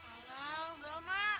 alam enggak mak